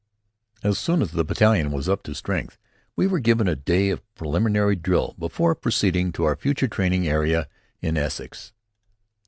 As soon as the battalion was up to strength, we were given a day of preliminary drill before proceeding to our future training area in Essex.